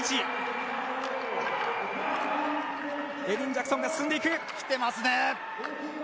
エリン・ジャクソンが進んでいく。